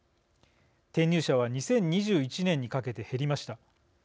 転入者は２０２１年にかけて減りました。